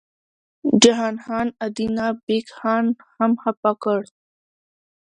جهان خان ادینه بېګ خان هم خپه کړ.